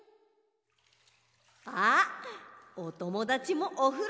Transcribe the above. あっおともだちもおふろだ！